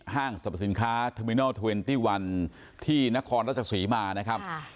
ห้างสรรพสินค้าเทอร์มินอลทเหว็นตี้๑ที่นครรัชกษีมานะครับ